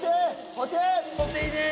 保定です。